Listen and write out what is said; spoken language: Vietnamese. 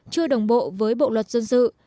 chưa đồng bộ với bộ luật dân dân